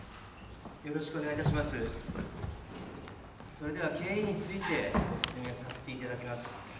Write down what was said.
それでは、経緯について説明させていただきます。